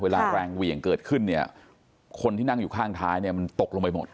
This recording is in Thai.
แรงเหวี่ยงเกิดขึ้นเนี่ยคนที่นั่งอยู่ข้างท้ายเนี่ยมันตกลงไปหมด